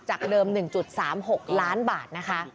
จากเดิม๑๓๖ล้านบาท